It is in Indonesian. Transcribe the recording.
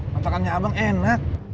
masakannya abang enak